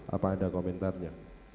apa ada komentarnya